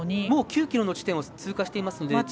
もう９ｋｍの地点を通過していますから。